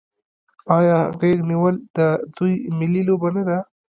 آیا غیږ نیول د دوی ملي لوبه نه ده؟